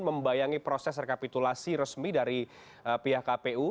membayangi proses rekapitulasi resmi dari pihak kpu